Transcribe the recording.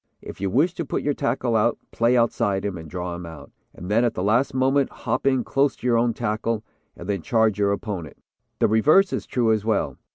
If you wish to put your tackle out, play outside him, and draw him out, and then at the last moment hop in close to your own tackle, and then charge your opponent. The reverse is true as well.